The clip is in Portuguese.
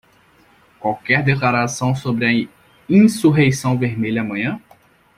Qualquer declaração sobre a insurreição vermelha amanhã?